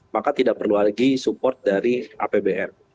maka tidak perlu lagi support dari apbn